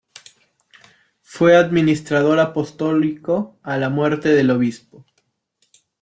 Fue administrador apostólico a la muerte del obispo.